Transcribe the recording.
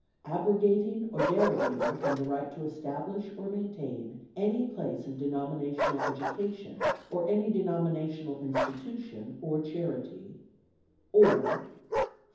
Abrogating or derogating from the right to establish or maintain any place of denominational education or any denominational institution or charity; or "(4.)